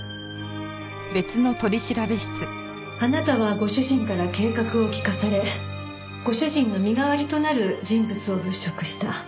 あなたはご主人から計画を聞かされご主人の身代わりとなる人物を物色した。